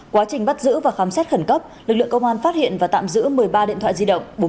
quá trình bắt giữ và khám xét khẩn cấp lực lượng công an phát hiện và tạm giữ một mươi ba điện thoại di động